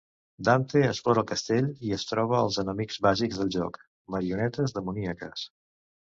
Dante explora el castell i es troba els enemics bàsics del joc, marionetes demoníaques.